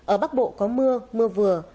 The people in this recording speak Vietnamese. ở bắc bộ có mưa mưa vừa